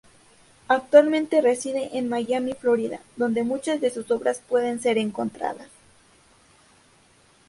Actualmente reside en Miami, Florida, donde muchas de sus obras pueden ser encontradas.